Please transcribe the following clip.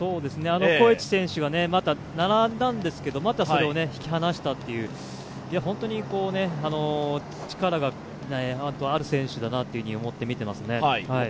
コエチ選手が並んだんですけどまた引き離したという本当に力がある選手だなというふうに思って見ていますね。